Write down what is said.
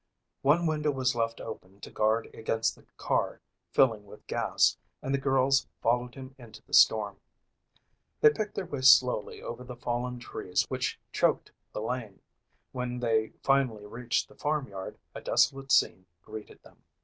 One window was left open to guard against the car filling with gas and the girls followed him into the storm. They picked their way slowly over the fallen trees which choked the lane. When they finally reached the farmyard a desolate scene greeted them.